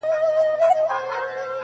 اردلیانو خبراوه له هر آفته!.